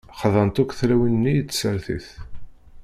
Xḍant akk tlawin-nni i tsertit.